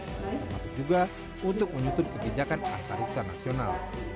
termasuk juga untuk menyusun kebijakan antariksa nasional